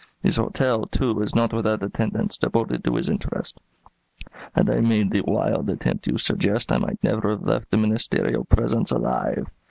His hotel, too, is not without attendants devoted to his interests. Had I made the wild attempt you suggest, I might never have left the ministerial presence alive.